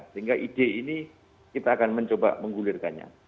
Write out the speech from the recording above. sehingga ide ini kita akan mencoba menggulirkannya